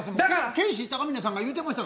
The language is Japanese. ケーシー高峰さんが言うてました。